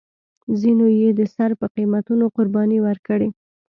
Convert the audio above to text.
ځینو یې د سر په قیمتونو قربانۍ ورکړې.